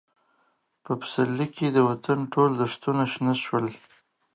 په پسرلي کې د وطن ټول دښتونه شنه شول.